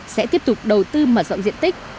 sẽ tiếp tục đầu tư mở rộng diện tích